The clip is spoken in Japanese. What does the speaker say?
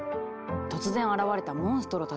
突然現れたモンストロたち。